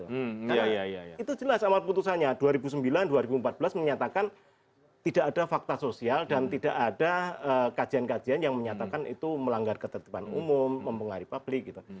karena itu jelas amar putusannya dua ribu sembilan dua ribu empat belas menyatakan tidak ada fakta sosial dan tidak ada kajian kajian yang menyatakan itu melanggar ketertiban umum mempengaruhi publik gitu